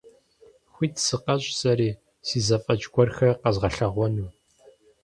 Хуит сыкъэщӀ сэри си зэфӀэкӀ гуэрхэр къэзгъэлъэгъуэну.